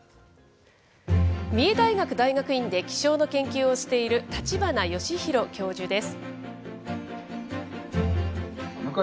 三重大学大学院で気象の研究をしている、立花義裕教授です。